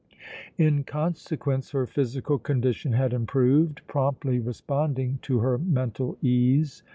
In consequence her physical condition had improved, promptly responding to her mental ease.